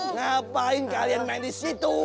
ngapain kalian main disitu